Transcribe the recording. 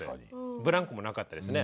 ブランコもなかったですね。